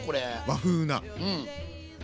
和風な。